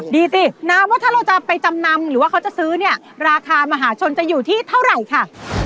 ดีสินะว่าถ้าเราจะไปจำนำหรือว่าเขาจะซื้อเนี่ยราคามหาชนจะอยู่ที่เท่าไหร่ค่ะ